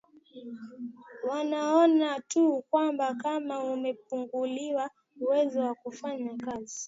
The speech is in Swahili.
wanaona tu kwamba kama amepungukiwa uwezo wa kufanya kazi